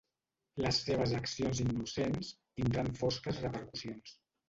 Les seves accions innocents tindran fosques repercussions.